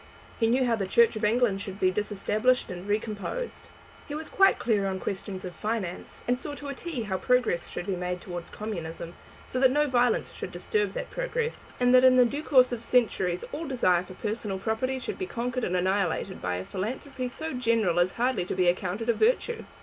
He knew how the Church of England should be disestablished and recomposed. He was quite clear on questions of finance, and saw to a "t" how progress should be made towards communism, so that no violence should disturb that progress, and that in the due course of centuries all desire for personal property should be conquered and annihilated by a philanthropy so general as hardly to be accounted a virtue.